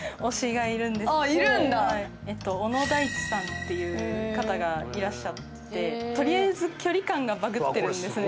っていう方がいらっしゃってとりあえず距離感がバグってるんですね。